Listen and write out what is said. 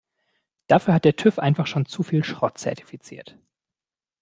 Dafür hat der TÜV einfach schon zu viel Schrott zertifiziert.